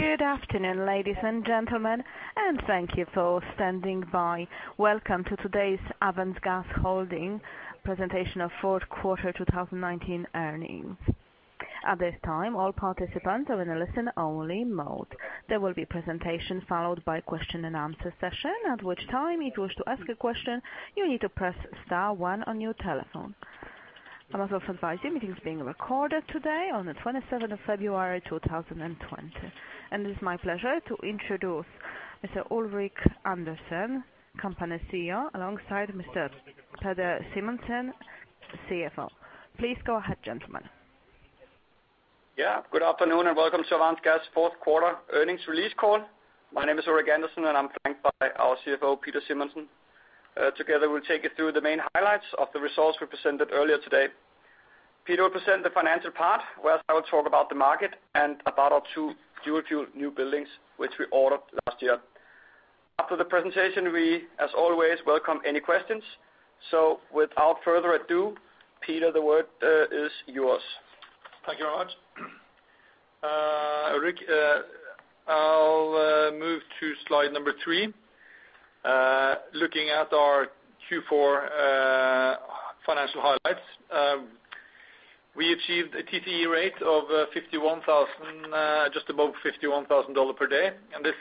Good afternoon, ladies and gentlemen, and thank you for standing by. Welcome to today's Avance Gas Holding presentation of fourth quarter 2019 earnings. At this time, all participants are in a listen-only mode. There will be a presentation followed by a question-and-answer session, at which time, if you wish to ask a question, you need to press star one on your telephone. I must also advise you that the meeting is being recorded today, on the 27th of February, 2020. It is my pleasure to introduce Mr. Ulrik Andersen, Company CEO, alongside Mr. Peder Simonsen, CFO. Please go ahead, gentlemen. Yeah. Good afternoon, and welcome to Avance Gas fourth quarter earnings release call. My name is Ulrik Andersen, and I'm joined by our CFO, Peder Simonsen. Together, we'll take you through the main highlights of the results we presented earlier today. Peder will present the financial part, whereas I will talk about the market and about our two dual-fuel new buildings which we ordered last year. After the presentation, we, as always, welcome any questions. Without further ado, Peder, the word is yours. Thank you very much. Ulrik, I'll move to slide number three, looking at our Q4 financial highlights. We achieved a TCE rate of $51,000, just above $51,000 per day. This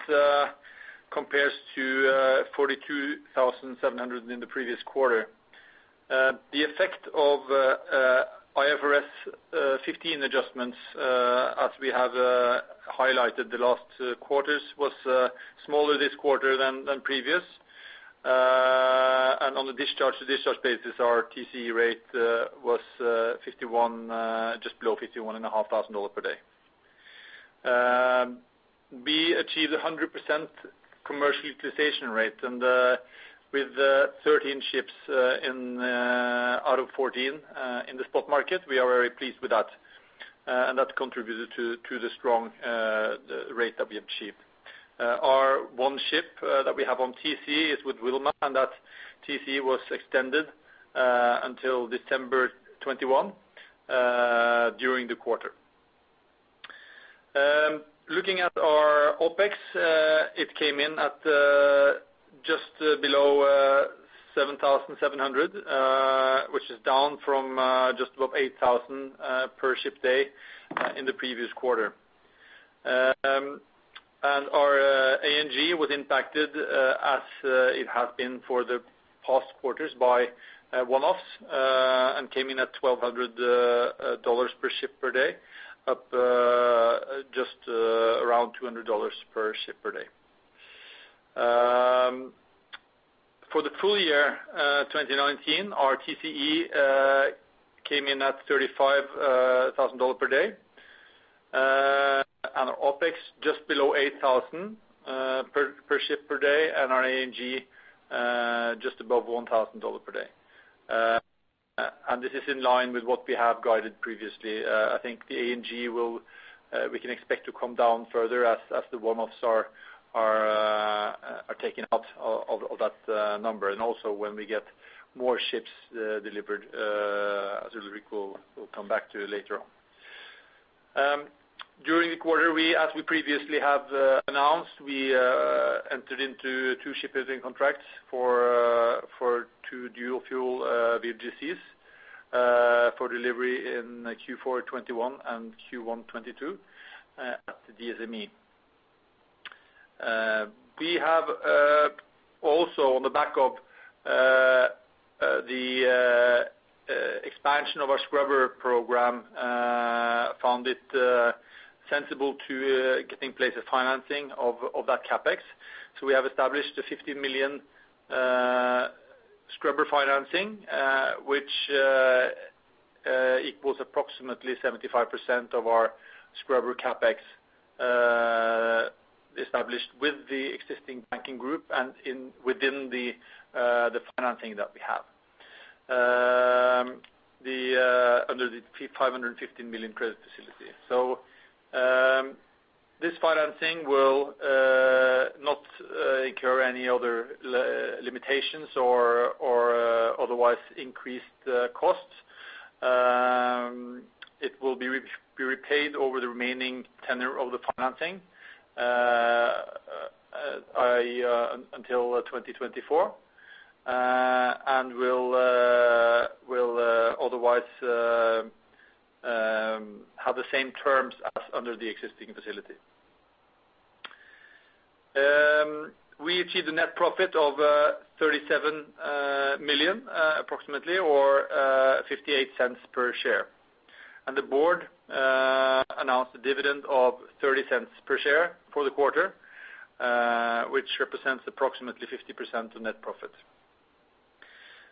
compares to $42,700 in the previous quarter. The effect of IFRS 15 adjustments, as we have highlighted the last quarters, was smaller this quarter than previous. On the discharge-to-discharge basis, our TCE rate was just below $51,500 per day. We achieved a 100% commercial utilization rate, and with 13 ships out of 14 in the spot market, we are very pleased with that. That contributed to the strong rate that we achieved. Our one ship that we have on TCE is with Wilhelmsen, and that TCE was extended until December 2021 during the quarter. Looking at our OpEx, it came in at just below $7,700, which is down from just above $8,000 per ship day in the previous quarter. Our ANG was impacted, as it has been for the past quarters, by one-offs and came in at $1,200 per ship per day, up just around $200 per ship per day. For the full year 2019, our TCE came in at $35,000 per day, our OpEx just below $8,000 per ship per day, and our ANG just above $1,000 per day. This is in line with what we have guided previously. I think the ANG we can expect to come down further as the one-offs are taking out of that number. Also, when we get more ships delivered, as Ulrik will come back to later on. During the quarter, as we previously have announced, we entered into two shipbuilding contracts for two dual-fuel VLGCs for delivery in Q4 2021 and Q1 2022 at DSME. We have also, on the back of the expansion of our scrubber program, found it sensible to get in place a financing of that CapEx. We have established a $50 million scrubber financing, which equals approximately 75% of our scrubber CapEx established with the existing banking group and within the financing that we have under the $515 million credit facility. This financing will not incur any other limitations or otherwise increased costs. It will be repaid over the remaining tenure of the financing until 2024 and will otherwise have the same terms as under the existing facility. We achieved a net profit of $37 million, approximately, or $0.58 per share. The board announced a dividend of $0.30 per share for the quarter, which represents approximately 50% of net profit.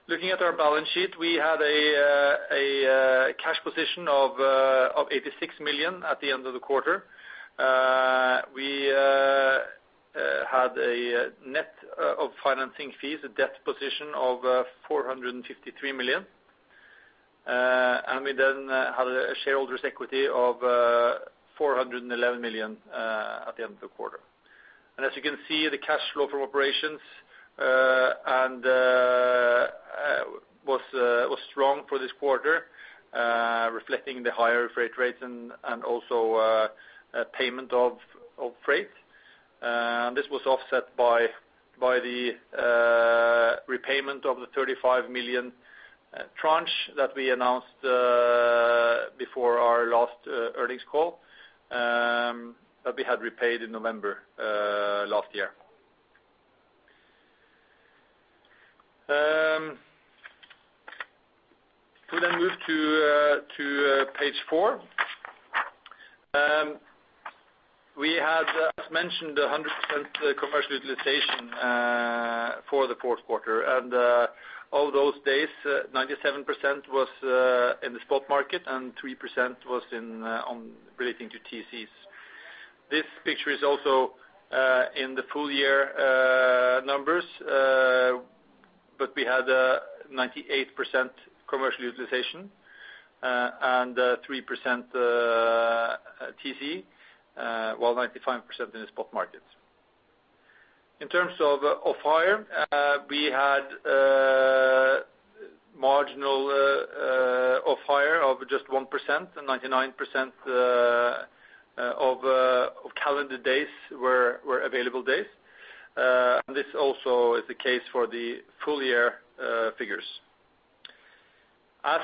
Looking at our balance sheet, we had a cash position of $86 million at the end of the quarter. We had, net of financing fees, a debt position of $453 million. We then had shareholders' equity of $411 million at the end of the quarter. As you can see, the cash flow from operations was strong for this quarter, reflecting the higher freight rates and also payment of freight. This was offset by the repayment of the $35 million tranche that we announced before our last earnings call that we had repaid in November last year. We then moved to page four. We had, as mentioned, 100% commercial utilization for the fourth quarter. Of those days, 97% was in the spot market and 3% was relating to TCEs. This picture is also in the full-year numbers, but we had 98% commercial utilization and 3% TCE, while 95% in the spot market. In terms of off-hire, we had marginal off-hire of just 1%, and 99% of calendar days were available days. This also is the case for the full-year figures. As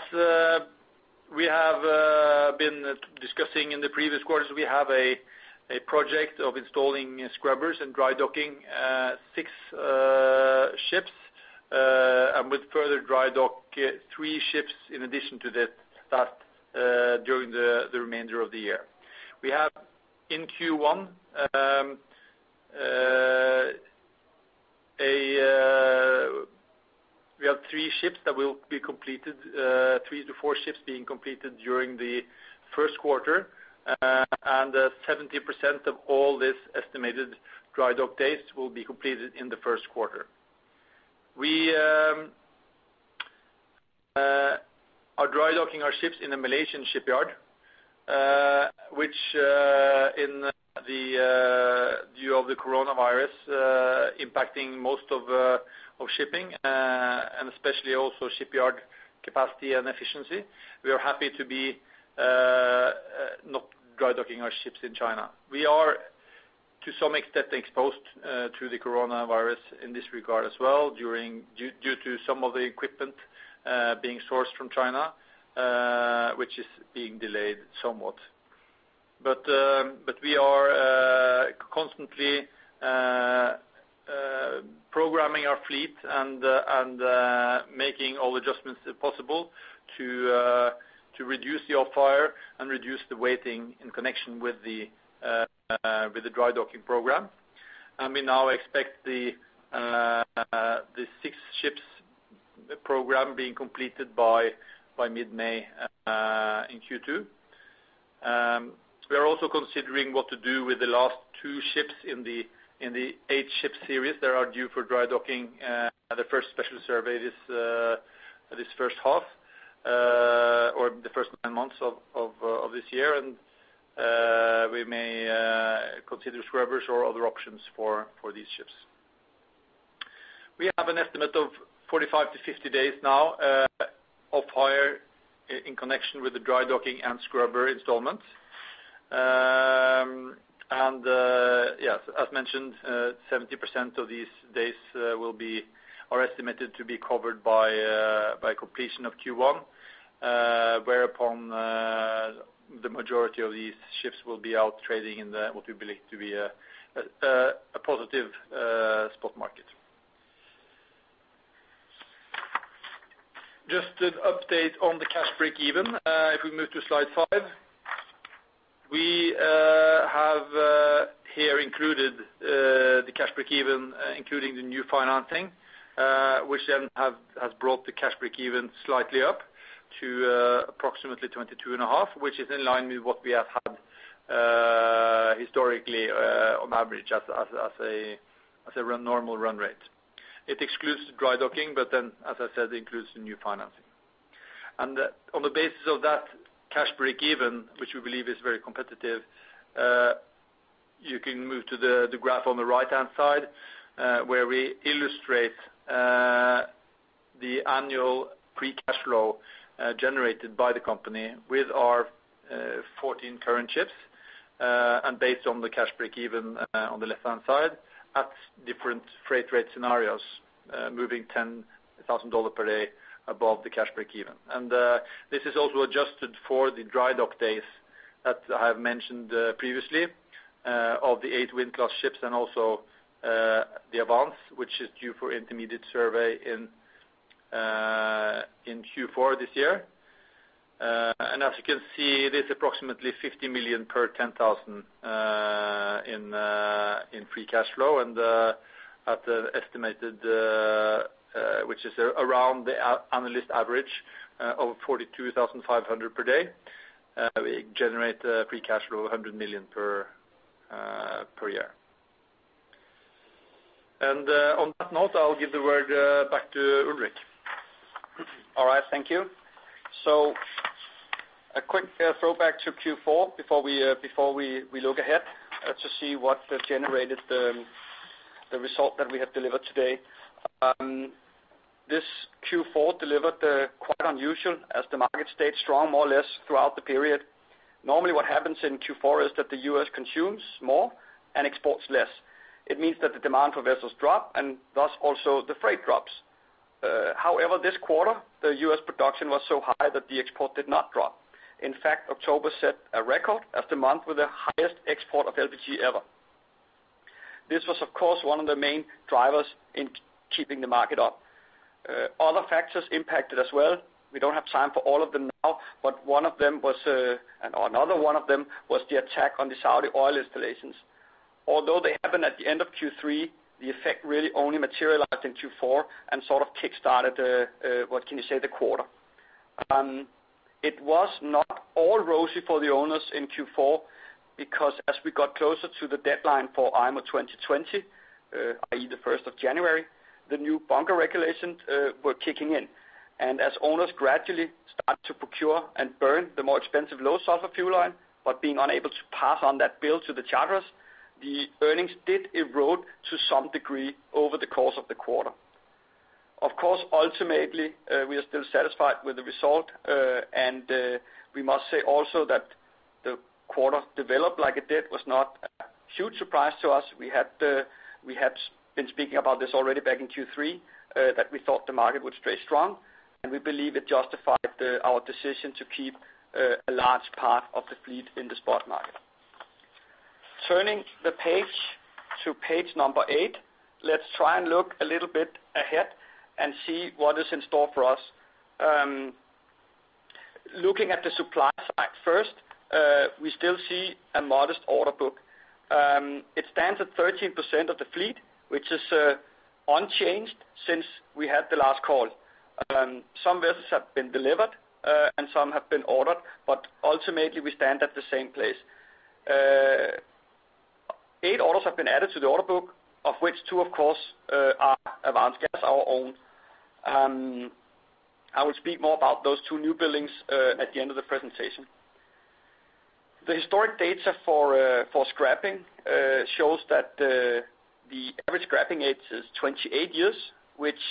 we have been discussing in the previous quarters, we have a project of installing scrubbers and dry docking six ships and with further dry dock three ships in addition to that during the remainder of the year. In Q1, we have three ships that will be completed, three to four ships being completed during the first quarter. 70% of all these estimated dry dock days will be completed in the first quarter. We are dry docking our ships in a Malaysian shipyard, which, in the view of the coronavirus, is impacting most of shipping and especially also shipyard capacity and efficiency. We are happy to be not dry docking our ships in China. We are, to some extent, exposed to the coronavirus in this regard as well due to some of the equipment being sourced from China, which is being delayed somewhat. We are constantly programming our fleet and making all adjustments possible to reduce the off-hire and reduce the waiting in connection with the dry docking program. We now expect the six ships program being completed by mid-May in Q2. We are also considering what to do with the last two ships in the eight-ship series that are due for dry docking at the first special survey this first half or the first nine months of this year. We may consider scrubbers or other options for these ships. We have an estimate of 45-50 days now off-hire in connection with the dry docking and scrubber installments. Yes, as mentioned, 70% of these days will be estimated to be covered by completion of Q1, whereupon the majority of these ships will be out trading in what we believe to be a positive spot market. Just an update on the cash break-even, if we move to slide five, we have here included the cash break-even, including the new financing, which then has brought the cash break-even slightly up to approximately $22.50, which is in line with what we have had historically on average as a normal run rate. It excludes the dry docking, but, as I said, it includes the new financing. On the basis of that cash break-even, which we believe is very competitive, you can move to the graph on the right-hand side where we illustrate the annual pre-cash flow generated by the company with our 14 current ships and based on the cash break-even on the left-hand side at different freight rate scenarios, moving $10,000 per day above the cash break-even. This is also adjusted for the dry dock days that I have mentioned previously of the eight wind-class ships and also the Advance, which is due for intermediate survey in Q4 this year. As you can see, it is approximately $50 million per 10,000 in pre-cash flow and at the estimated, which is around the analyst average of $42,500 per day. We generate a pre-cash flow of $100 million per year. On that note, I'll give the word back to Ulrik. All right. Thank you. A quick throwback to Q4 before we look ahead to see what generated the result that we have delivered today. This Q4 delivered quite unusual, as the market stayed strong more or less throughout the period. Normally, what happens in Q4 is that the U.S. consumes more and exports less. It means that the demand for vessels drops, and thus also the freight drops. However, this quarter, the U.S. production was so high that the export did not drop. In fact, October set a record as the month with the highest export of LPG ever. This was, of course, one of the main drivers in keeping the market up. Other factors impacted as well. We do not have time for all of them now, but one of them was, or another one of them was the attack on the Saudi oil installations. Although they happened at the end of Q3, the effect really only materialized in Q4 and sort of kickstarted, what can you say, the quarter. It was not all rosy for the owners in Q4 because as we got closer to the deadline for IMO 2020, i.e., the 1st of January, the new bunker regulations were kicking in. As owners gradually started to procure and burn the more expensive low sulfur fuel line, but being unable to pass on that bill to the charters, the earnings did erode to some degree over the course of the quarter. Of course, ultimately, we are still satisfied with the result. We must say also that the quarter developed like it did was not a huge surprise to us. We had been speaking about this already back in Q3, that we thought the market would stay strong. We believe it justified our decision to keep a large part of the fleet in the spot market. Turning the page to page number eight, let's try and look a little bit ahead and see what is in store for us. Looking at the supply side first, we still see a modest order book. It stands at 13% of the fleet, which is unchanged since we had the last call. Some vessels have been delivered and some have been ordered, but ultimately, we stand at the same place. Eight orders have been added to the order book, of which two, of course, are Avance, our own. I will speak more about those two new buildings at the end of the presentation. The historic data for scrapping shows that the average scrapping age is 28 years, which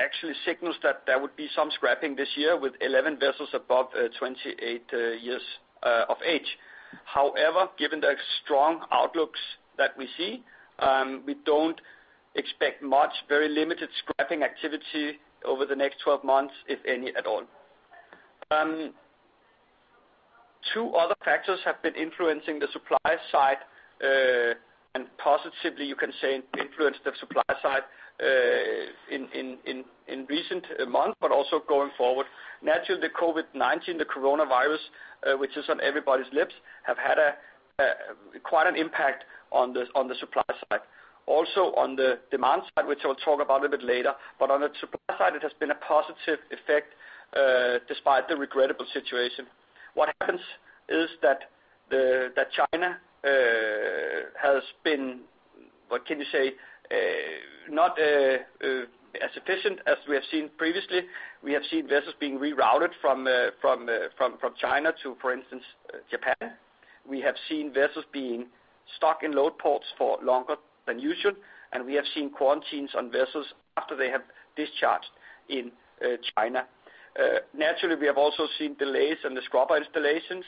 actually signals that there would be some scrapping this year with 11 vessels above 28 years of age. However, given the strong outlooks that we see, we don't expect much, very limited scrapping activity over the next 12 months, if any at all. Two other factors have been influencing the supply side and positively, you can say, influenced the supply side in recent months, but also going forward. Naturally, the COVID-19, the coronavirus, which is on everybody's lips, has had quite an impact on the supply side. Also, on the demand side, which I'll talk about a little bit later, but on the supply side, it has been a positive effect despite the regrettable situation. What happens is that China has been, what can you say, not as efficient as we have seen previously. We have seen vessels being rerouted from China to, for instance, Japan. We have seen vessels being stuck in load ports for longer than usual. We have seen quarantines on vessels after they have discharged in China. Naturally, we have also seen delays in the scrubber installations.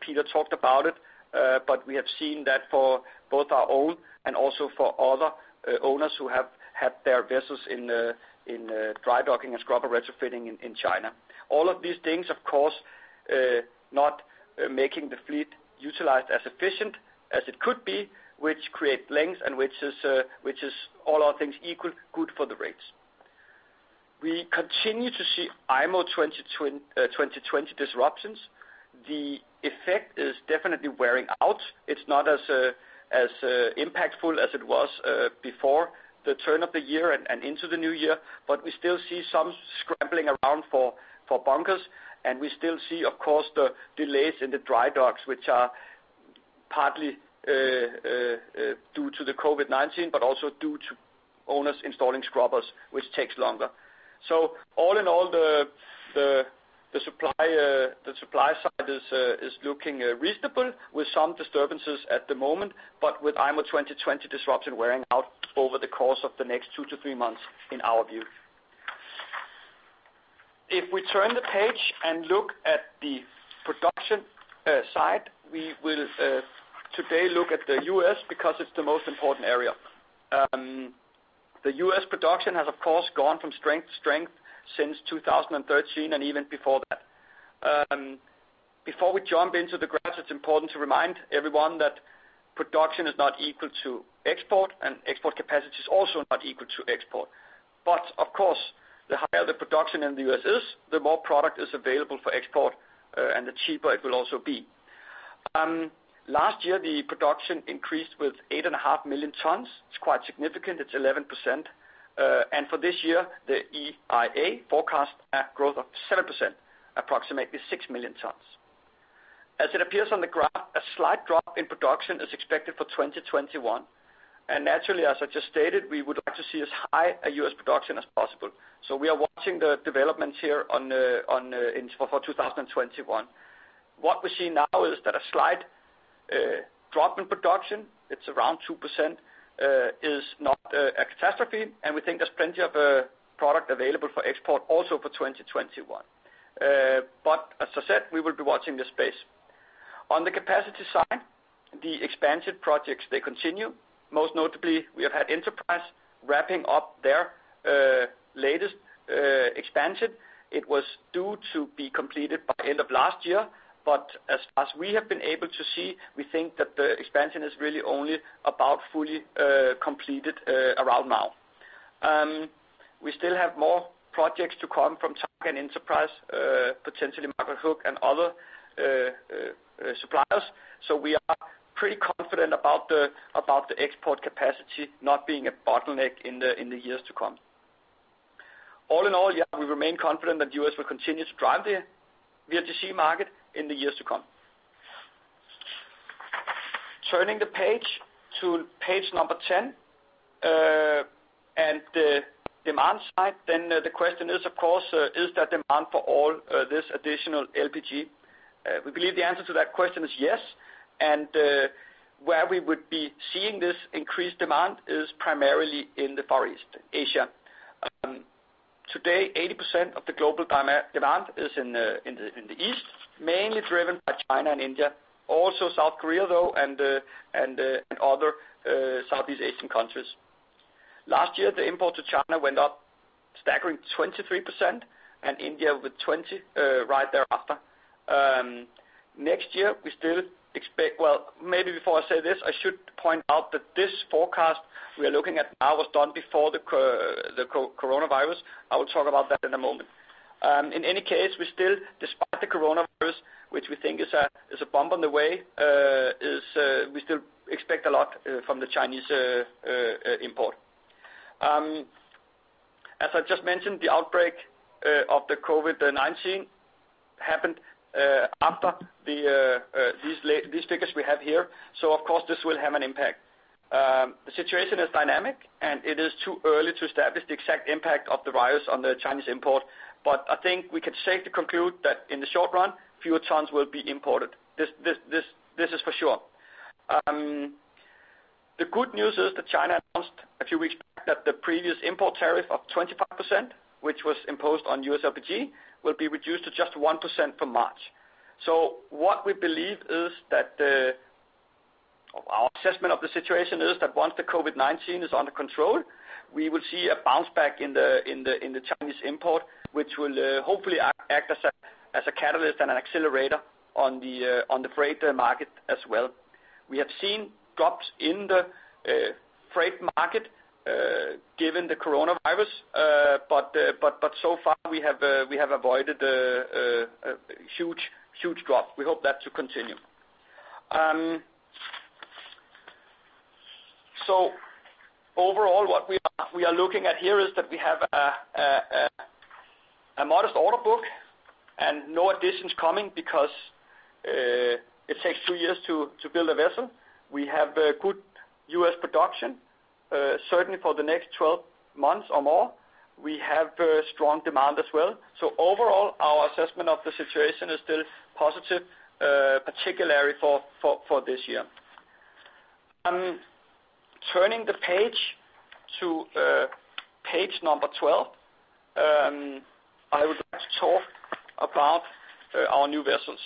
Peder talked about it, but we have seen that for both our own and also for other owners who have had their vessels in dry docking and scrubber retrofitting in China. All of these things, of course, not making the fleet utilized as efficient as it could be, which creates links and which is, all other things, equally good for the rates. We continue to see IMO 2020 disruptions. The effect is definitely wearing out. It's not as impactful as it was before the turn of the year and into the new year, but we still see some scrambling around for bunkers. We still see, of course, the delays in the dry docks, which are partly due to COVID-19, but also due to owners installing scrubbers, which takes longer. All in all, the supply side is looking reasonable with some disturbances at the moment, but with IMO 2020 disruption wearing out over the course of the next two to three months, in our view. If we turn the page and look at the production side, we will today look at the U.S. because it's the most important area. U.S. production has, of course, gone from strength to strength since 2013 and even before that. Before we jump into the graph, it's important to remind everyone that production is not equal to export, and export capacity is also not equal to export. Of course, the higher the production in the U.S. is, the more product is available for export, and the cheaper it will also be. Last year, the production increased with 8.5 million tons. It's quite significant. It's 11%. For this year, the EIA forecasts a growth of 7%, approximately 6 million tons. As it appears on the graph, a slight drop in production is expected for 2021. Naturally, as I just stated, we would like to see as high a U.S. production as possible. We are watching the developments here for 2021. What we see now is that a slight drop in production, it's around 2%, is not a catastrophe. We think there's plenty of product available for export also for 2021. As I said, we will be watching this space. On the capacity side, the expansion projects, they continue. Most notably, we have had Enterprise wrapping up their latest expansion. It was due to be completed by the end of last year. As we have been able to see, we think that the expansion is really only about fully completed around now. We still have more projects to come from Targa and Enterprise, potentially Margaret Hook and other suppliers. We are pretty confident about the export capacity not being a bottleneck in the years to come. All in all, yeah, we remain confident that the U.S. will continue to drive the VLGC market in the years to come. Turning the page to page number 10 and the demand side, the question is, of course, is there demand for all this additional LPG? We believe the answer to that question is yes. Where we would be seeing this increased demand is primarily in the Far East, Asia. Today, 80% of the global demand is in the East, mainly driven by China and India. Also South Korea, though, and other Southeast Asian countries. Last year, the import to China went up a staggering 23%, and India with 20% right thereafter. Next year, we still expect, maybe before I say this, I should point out that this forecast we are looking at now was done before the coronavirus. I will talk about that in a moment. In any case, we still, despite the coronavirus, which we think is a bump on the way, we still expect a lot from the Chinese import. As I just mentioned, the outbreak of the COVID-19 happened after these figures we have here. Of course, this will have an impact. The situation is dynamic, and it is too early to establish the exact impact of the virus on the Chinese import. I think we can safely conclude that in the short run, fewer tons will be imported. This is for sure. The good news is that China announced a few weeks back that the previous import tariff of 25%, which was imposed on U.S. LPG, will be reduced to just 1% from March. What we believe is that our assessment of the situation is that once the COVID-19 is under control, we will see a bounce back in the Chinese import, which will hopefully act as a catalyst and an accelerator on the freight market as well. We have seen drops in the freight market given the coronavirus, but so far, we have avoided a huge drop. We hope that to continue. Overall, what we are looking at here is that we have a modest order book and no additions coming because it takes two years to build a vessel. We have good U.S. production, certainly for the next 12 months or more. We have strong demand as well. Overall, our assessment of the situation is still positive, particularly for this year. Turning the page to page number 12, I would like to talk about our new vessels.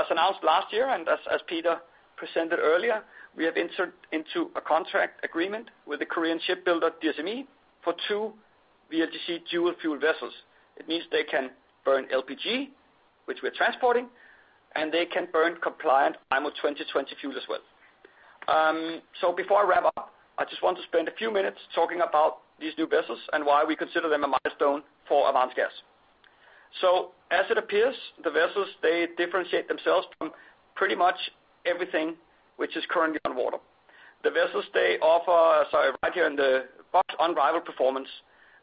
As announced last year and as Peder presented earlier, we have entered into a contract agreement with the Korean shipbuilder DSME for two VLGC dual fuel vessels. It means they can burn LPG, which we are transporting, and they can burn compliant IMO 2020 fuel as well. Before I wrap up, I just want to spend a few minutes talking about these new vessels and why we consider them a milestone for Avance Gas. As it appears, the vessels differentiate themselves from pretty much everything which is currently on water. The vessels offer, right here in the box, unrivaled performance,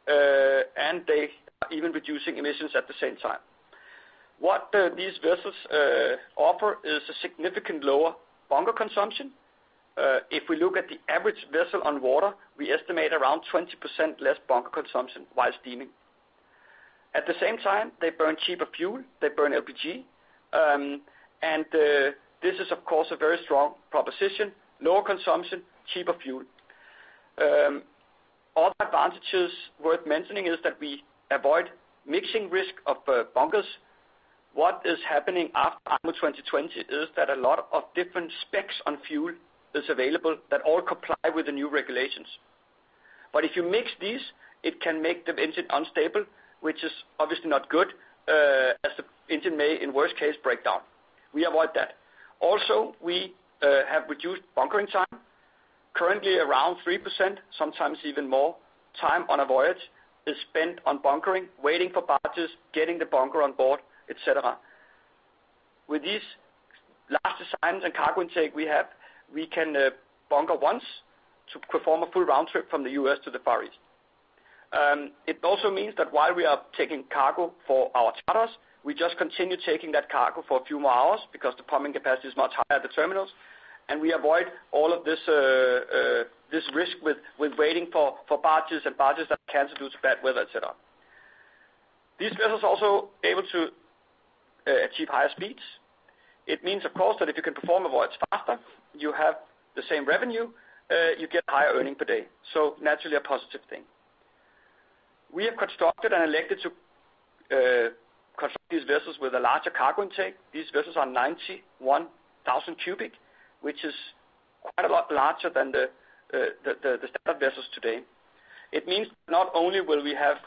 and they are even reducing emissions at the same time. What these vessels offer is a significantly lower bunker consumption. If we look at the average vessel on water, we estimate around 20% less bunker consumption while steaming. At the same time, they burn cheaper fuel. They burn LPG. This is, of course, a very strong proposition: lower consumption, cheaper fuel. Other advantages worth mentioning is that we avoid mixing risk of bunkers. What is happening after IMO 2020 is that a lot of different specs on fuel is available that all comply with the new regulations. If you mix these, it can make the engine unstable, which is obviously not good, as the engine may, in worst case, break down. We avoid that. Also, we have reduced bunkering time, currently around 3%, sometimes even more. Time on a voyage is spent on bunkering, waiting for batches, getting the bunker on board, etc. With these last assignments and cargo intake we have, we can bunker once to perform a full round trip from the U.S. to the Far East. It also means that while we are taking cargo for our charters, we just continue taking that cargo for a few more hours because the pumping capacity is much higher at the terminals. We avoid all of this risk with waiting for batches and batches that can seduce bad weather, etc. These vessels are also able to achieve higher speeds. It means, of course, that if you can perform a voyage faster, you have the same revenue, you get higher earning per day. Naturally, a positive thing. We have constructed and elected to construct these vessels with a larger cargo intake. These vessels are 91,000 cu, which is quite a lot larger than the standard vessels today. It means not only will we have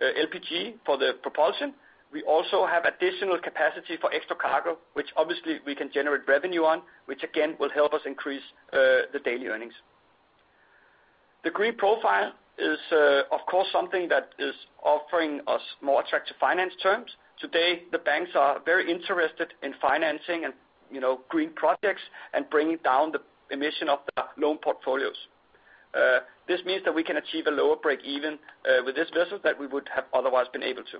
LPG for the propulsion, we also have additional capacity for extra cargo, which obviously we can generate revenue on, which again will help us increase the daily earnings. The green profile is, of course, something that is offering us more attractive finance terms. Today, the banks are very interested in financing and green projects and bringing down the emission of the loan portfolios. This means that we can achieve a lower break-even with this vessel than we would have otherwise been able to.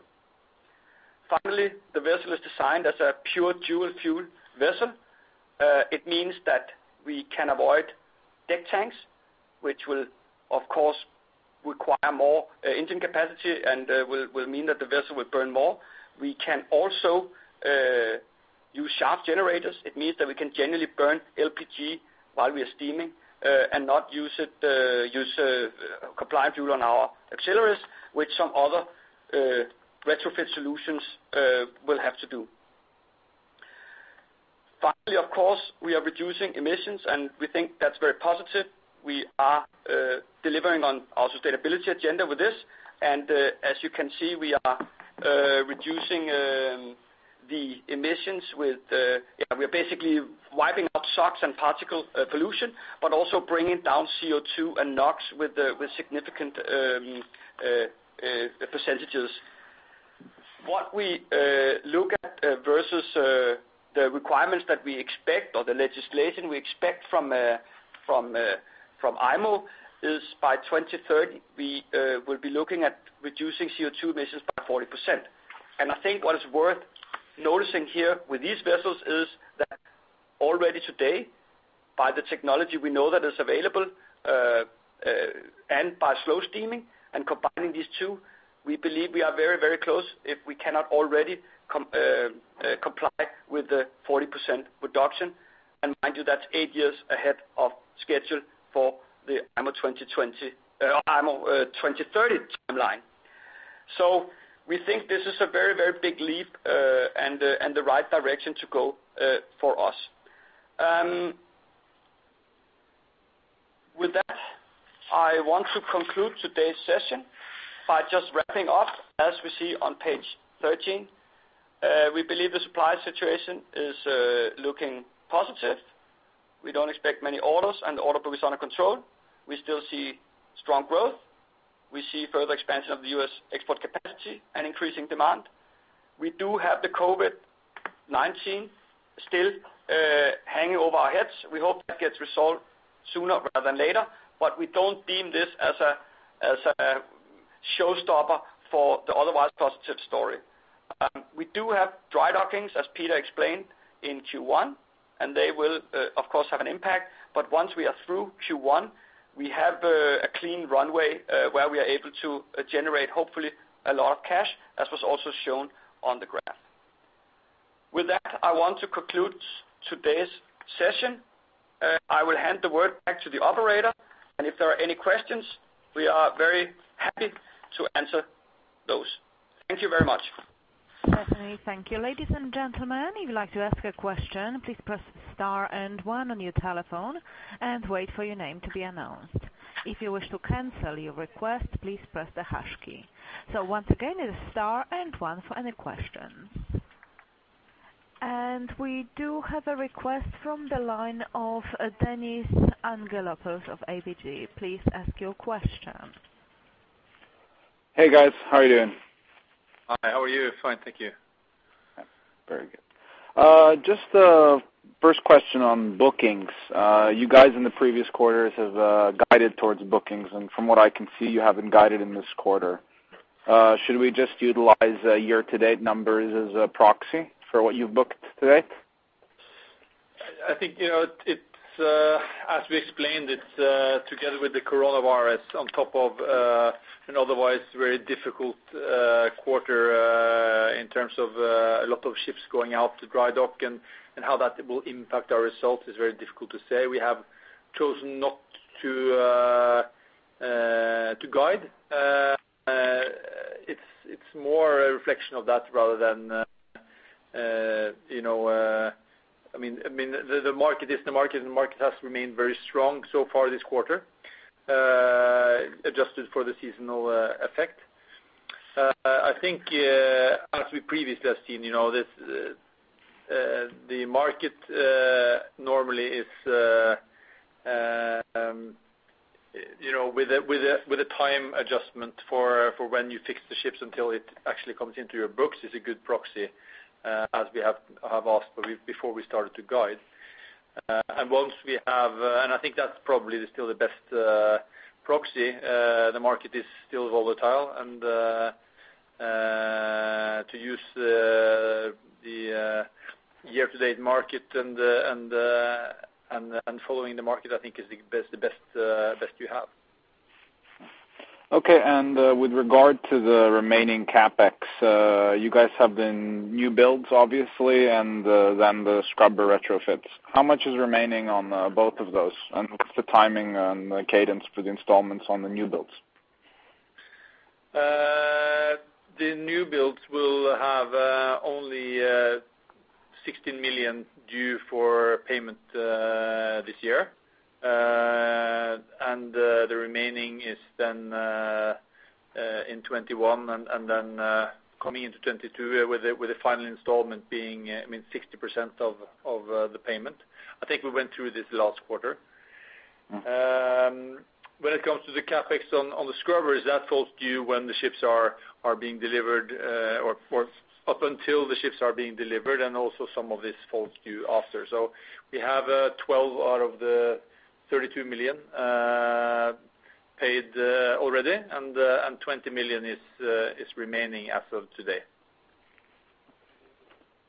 Finally, the vessel is designed as a pure dual fuel vessel. It means that we can avoid deck tanks, which will, of course, require more engine capacity and will mean that the vessel will burn more. We can also use shaft generators. It means that we can generally burn LPG while we are steaming and not use compliant fuel on our accelerators, which some other retrofit solutions will have to do. Finally, of course, we are reducing emissions, and we think that's very positive. We are delivering on our sustainability agenda with this. As you can see, we are reducing the emissions with, yeah, we are basically wiping out SOx and particle pollution, but also bringing down CO2 and NOx with significant percentages. What we look at versus the requirements that we expect or the legislation we expect from IMO is by 2030, we will be looking at reducing CO2 emissions by 40%. I think what is worth noticing here with these vessels is that already today, by the technology we know that is available and by slow steaming and combining these two, we believe we are very, very close if we cannot already comply with the 40% reduction. Mind you, that's eight years ahead of schedule for the IMO 2030 timeline. We think this is a very, very big leap and the right direction to go for us. With that, I want to conclude today's session by just wrapping up as we see on page 13. We believe the supply situation is looking positive. We do not expect many orders, and the order book is under control. We still see strong growth. We see further expansion of the U.S. export capacity and increasing demand. We do have the COVID-19 still hanging over our heads. We hope that gets resolved sooner rather than later, but we do not deem this as a showstopper for the otherwise positive story. We do have dry dockings, as Peder explained, in Q1, and they will, of course, have an impact. Once we are through Q1, we have a clean runway where we are able to generate, hopefully, a lot of cash, as was also shown on the graph. With that, I want to conclude today's session. I will hand the word back to the operator. If there are any questions, we are very happy to answer those. Thank you very much. Stephanie, thank you. Ladies and gentlemen, if you'd like to ask a question, please press star and one on your telephone and wait for your name to be announced. If you wish to cancel your request, please press the hash key. Once again, it is star and one for any questions. We do have a request from the line of Dennis Angelopoulos of ABG. Please ask your question. Hey, guys. How are you doing? Hi. How are you? Fine. Thank you. Very good. Just the first question on bookings. You guys in the previous quarters have guided towards bookings, and from what I can see, you haven't guided in this quarter. Should we just utilize year-to-date numbers as a proxy for what you've booked to date? I think, as we explained, it's together with the coronavirus on top of an otherwise very difficult quarter in terms of a lot of ships going out to dry dock and how that will impact our results is very difficult to say. We have chosen not to guide. It's more a reflection of that rather than, I mean, the market is the market, and the market has remained very strong so far this quarter, adjusted for the seasonal effect. I think, as we previously have seen, the market normally is with a time adjustment for when you fix the ships until it actually comes into your books is a good proxy, as we have asked before we started to guide. Once we have, and I think that's probably still the best proxy. The market is still volatile, and to use the year-to-date market and following the market, I think, is the best you have. Okay. With regard to the remaining CapEx, you guys have the new builds, obviously, and then the scrubber retrofits. How much is remaining on both of those? What's the timing and the cadence for the installments on the new builds? The new builds will have only $16 million due for payment this year. The remaining is then in 2021 and then coming into 2022 with the final installment being, I mean, 60% of the payment. I think we went through this last quarter. When it comes to the CapEx on the scrubbers, that falls due when the ships are being delivered or up until the ships are being delivered, and also some of this falls due after. We have $12 million out of the $32 million paid already, and $20 million is remaining as of today.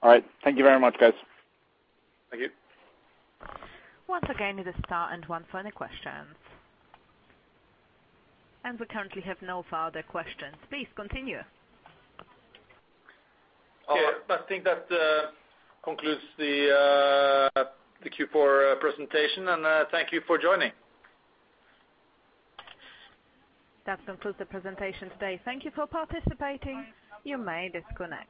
All right. Thank you very much, guys. Thank you. Once again, it is star and one for any questions. We currently have no further questions. Please continue. Yeah. I think that concludes the Q4 presentation, and thank you for joining. That concludes the presentation today. Thank you for participating. You may disconnect.